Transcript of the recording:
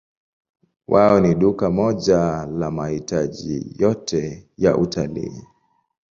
Wao ni duka moja la mahitaji yote ya utalii.